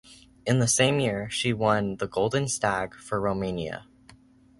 In the same year, she won the "Golden Stag" for Romania.